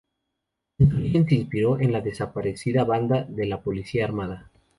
En su origen se inspiró en la desaparecida Banda de la Policía Armada.